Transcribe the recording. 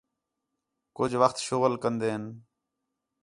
کُج وخت شغل کندین